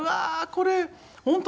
これ本当